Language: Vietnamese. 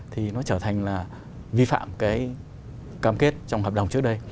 thì nó trở thành là vi phạm cái cam kết trong hợp đồng trước đây